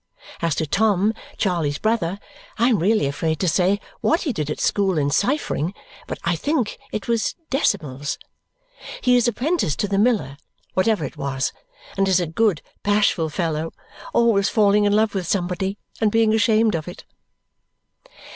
As to Tom, Charley's brother, I am really afraid to say what he did at school in ciphering, but I think it was decimals. He is apprenticed to the miller, whatever it was, and is a good bashful fellow, always falling in love with somebody and being ashamed of it.